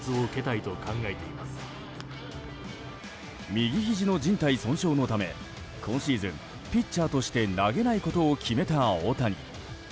右ひじのじん帯損傷のため今シーズンピッチャーとして投げないことを決めた大谷。